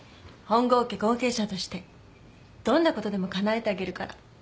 本郷家後継者としてどんなことでもかなえてあげるから。